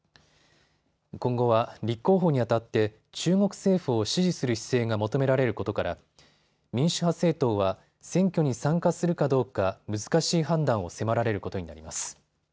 今後は立候補にあたって中国政府を支持する姿勢が求められることから民主派政党は選挙に参加するかどうか難しい判断を迫られることになります。